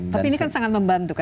tapi ini kan sangat membantu kan